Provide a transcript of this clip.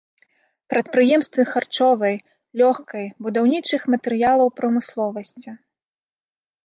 Прадпрыемствы харчовай, лёгкай, будаўнічых матэрыялаў прамысловасці.